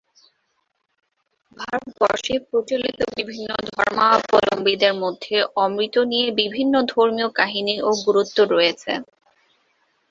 ভারতবর্ষে প্রচলিত বিভিন্ন ধর্মাবলম্বীদের মধ্যে অমৃত নিয়ে বিভিন্ন ধর্মীয় কাহিনী ও গুরুত্ব রয়েছে।